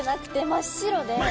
真っ白で！